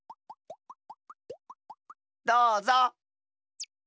どうぞ。